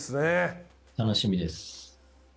楽しみです。